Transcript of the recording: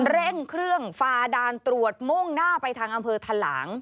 เร่งเครื่องฝ่าด่านตรวจมุ่งหน้าไปทางอำเภอทะหลาง